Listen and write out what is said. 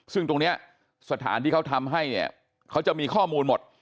ซึ่งตรงนี้สถานที่เขาทำให้เนี่ยเขาจะมีข้อมูลหมด